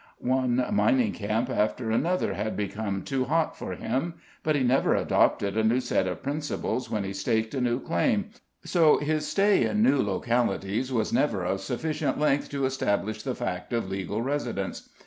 One mining camp after another had become too hot for him; but he never adopted a new set of principles when he staked a new claim, so his stay in new localities was never of sufficient length to establish the fact of legal residence.